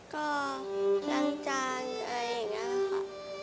ก็ล้างจานอะไรอย่างนี้ค่ะ